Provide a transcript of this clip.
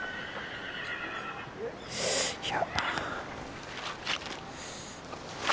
いや。